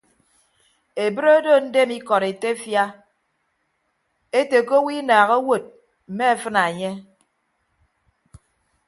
Ebre odo ndem etefia ete ke owo inaaha owod mme afịna enye.